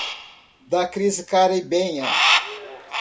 da crise caribenha